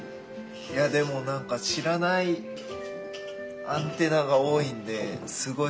いやでもなんか知らないアンテナが多いんですごい